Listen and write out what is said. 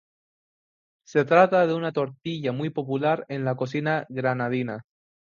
Se trata de una tortilla muy popular en la cocina granadina.